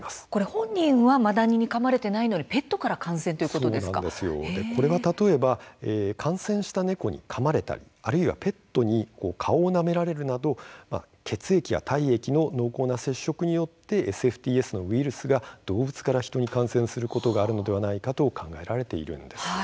本人はかまれていないけれども例えば感染した猫にかまれたり、あるいはペットに顔をなめられるなど血液や体液の濃厚な接触によってＳＦＴＳのウイルスが動物から人に感染することがあるのではないかと考えられています。